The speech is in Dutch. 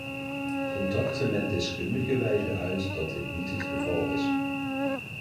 Contacten met deskundigen wijzen uit dat dit niet het geval is.